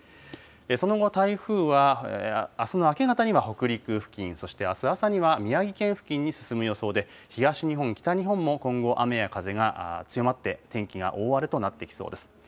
その後、台風はあすの明け方には北陸付近、そしてあす朝には宮城県付近に進む予想で、東日本、北日本も今後、雨や風が強まって、天気が大荒れとなってきそうです。